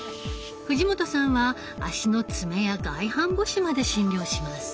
藤本さんは足の爪や外反母趾まで診療します。